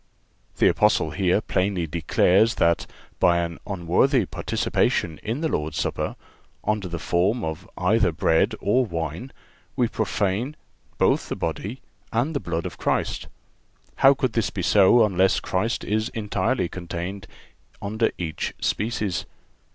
(379) The Apostle here plainly declares that, by an unworthy participation in the Lord's Supper, under the form of either bread or wine, we profane both the body and the blood of Christ. How could this be so, unless Christ is entirely contained under each species?